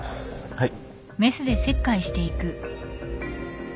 はい。